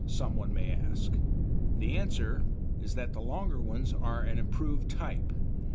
someone may ask. The answer is that the longer ones are an improved type.